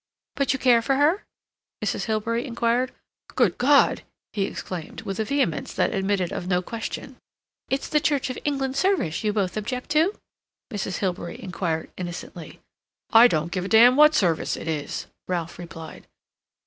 "But you care for her?" Mrs. Hilbery inquired. "Good God!" he exclaimed, with a vehemence which admitted of no question. "It's the Church of England service you both object to?" Mrs. Hilbery inquired innocently. "I don't care a damn what service it is," Ralph replied.